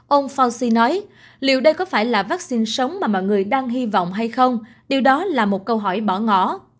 ông fauci nói liệu đây có phải là vaccine sống mà mọi người đang hy vọng hay không điều đó là một câu hỏi bỏ ngỏ